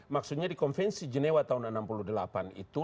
maksudnya di konvensi genewa tahun seribu sembilan ratus enam puluh delapan itu